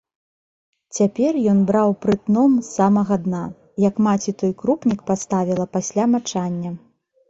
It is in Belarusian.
Цяпер ён браў прытном з самага дна, як маці той крупнік паставіла пасля мачання.